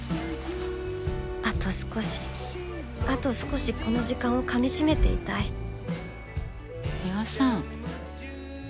あと少しあと少しこの時間をかみしめていたいミワさん。